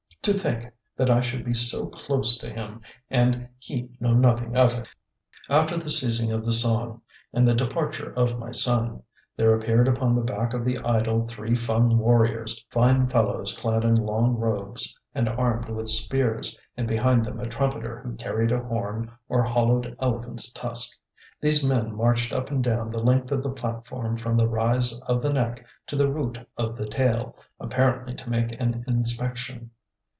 To think that I should be so close to him and he know nothing of it." After the ceasing of the song and the departure of my son, there appeared upon the back of the idol three Fung warriors, fine fellows clad in long robes and armed with spears, and behind them a trumpeter who carried a horn or hollowed elephant's tusk. These men marched up and down the length of the platform from the rise of the neck to the root of the tail, apparently to make an inspection.